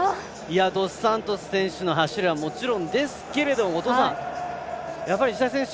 ドスサントス選手の走りはもちろんですけれどもやっぱり石田選手